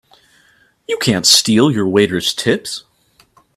You can't steal your waiters' tips!